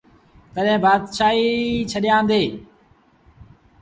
تڏهيݩ بآتشآهيٚ ڇڏيآندي۔